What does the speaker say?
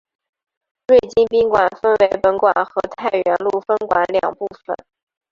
瑞金宾馆分为本馆和太原路分馆两部份。